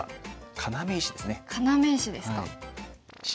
要石ですか。